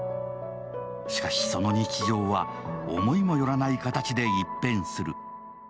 しかし、その日常は思いも寄らない形で一変する。